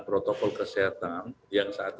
protokol kesehatan yang saat